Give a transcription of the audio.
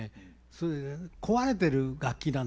それでね壊れてる楽器なんですよ。